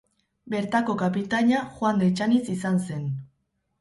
Bertako kapitaina Juan de Etxaniz izan zen.